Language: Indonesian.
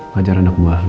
fajar anak mahal ya